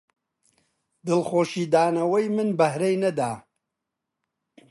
دڵخۆشی دانەوەی من بەهرەی نەدا